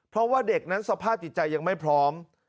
เพราะว่าเด็กนั้นสภาพจิตใจยังไม่พร้อม